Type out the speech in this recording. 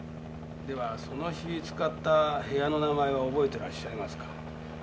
ではその日使った部屋の名前を覚えてらっしゃいますか？